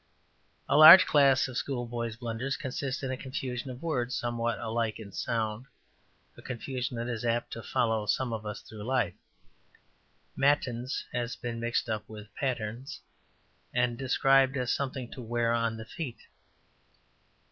A large class of schoolboys' blunders consist in a confusion of words somewhat alike in sound, a confusion that is apt to follow some of us through life. ``Matins'' has been mixed up with ``pattens,'' and described as something to wear on the feet.